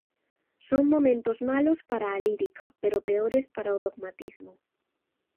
Son momentos malos para a lírica, pero peores para o dogmatismo.